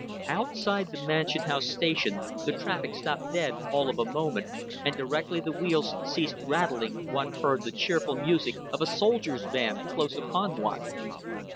Outside the Mansion House Station the traffic stopped dead all of a moment, and directly the wheels ceased rattling one heard the cheerful music of a soldiers' band close upon one.